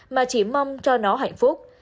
mà chỉ mong cho nó hạnh phúc